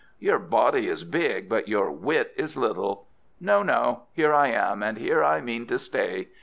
Your body is big, but your wit is little. No, no; here I am, and here I mean to stay.